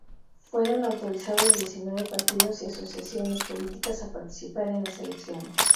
Fueron autorizados diecinueve partidos y asociaciones políticas a participar en las elecciones.